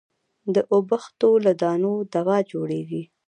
د اوبښتو له دانو دوا جوړېږي.